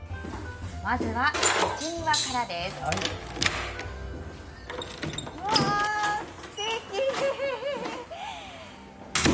まずは、内庭からです。